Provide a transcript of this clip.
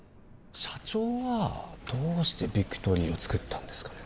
社長はどうしてビクトリーをつくったんですかね？